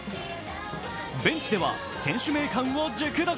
ベンチでは選手名鑑を熟読。